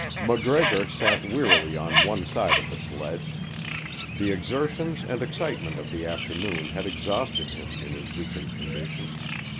MacGregor sat wearily on one side of the sledge. The exertions and excitement of the afternoon had exhausted him in his weakened condition.